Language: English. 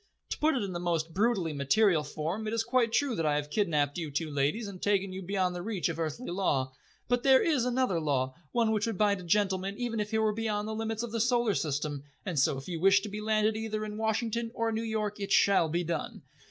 To put it in the most brutally material form, it is quite true that I have kidnapped you two ladies and taken you beyond the reach of earthly law. But there is another law, one which would bind a gentleman even if he were beyond the limits of the Solar System, and so if you wish to be landed either in Washington or New York it shall be done.